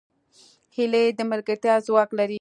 هیلۍ د ملګرتیا ځواک لري